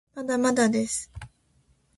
まだまだです